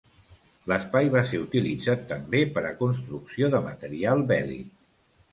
L'espai va ser utilitzat també per a construcció de material bèl·lic.